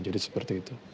jadi seperti itu